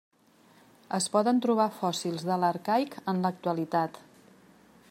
Es poden trobar fòssils de l'Arcaic en l'actualitat.